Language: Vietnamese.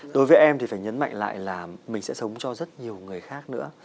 đối với em thì phải nhấn mạnh lại là mình sẽ sống cho rất nhiều người khác nữa